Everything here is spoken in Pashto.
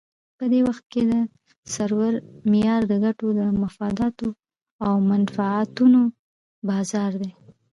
په دې وخت کې د سرورۍ معیار د ګټو، مفاداتو او منفعتونو بازار دی.